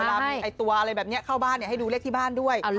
เอาเลขออกเวลามีตัวอะไรอย่างนี้เข้าบ้านอยากให้ดูเลขที่บ้านด้วย